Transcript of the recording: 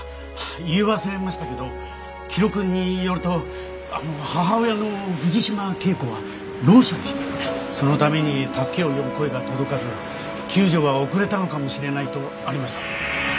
言い忘れましたけど記録によると母親の藤島圭子は聾者でしてそのために助けを呼ぶ声が届かず救助が遅れたのかもしれないとありました。